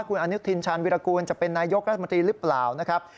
คุณอนุทินชาญวิรากูลจะเป็นนายกรัฐมนตรีหรือเปล่านะครับ